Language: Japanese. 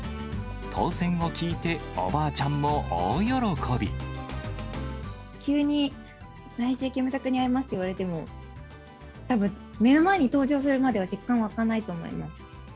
当せんを聞いて、おばあちゃんも急に、来週、キムタクに会えますって言われても、たぶん、目の前に登場するまでは実感わかないと思います。